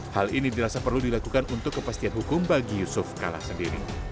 hal ini dirasa perlu dilakukan untuk kepastian hukum bagi yusuf kala sendiri